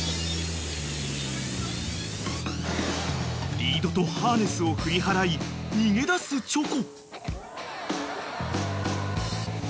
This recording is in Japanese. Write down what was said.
［リードとハーネスを振り払い逃げ出すチョコ］